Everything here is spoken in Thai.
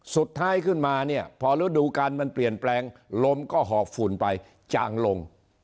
สุดท้ายขึ้นมาเนี่ยพอฤดูการมันเปลี่ยนแปลงลมก็หอบฝุ่นไปจางลง